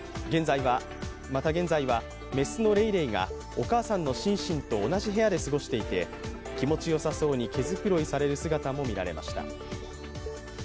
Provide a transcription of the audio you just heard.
また現在は雌のレイレイがお母さんのシンシンと同じ部屋で過ごしていて気持ちよさそうに毛繕いされる姿も見られました。